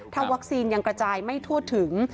ถ้าวัคซีนยังกระจายไม่ทั่วถึง